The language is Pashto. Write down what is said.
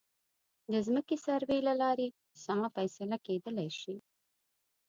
د ځمکې سروې له لارې سمه فیصله کېدلی شي.